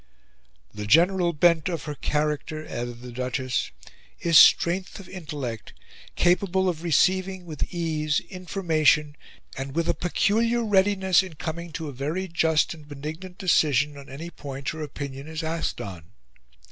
"The general bent of Her character," added the Duchess, "is strength of intellect, capable of receiving with ease, information, and with a peculiar readiness in coming to a very just and benignant decision on any point Her opinion is asked on.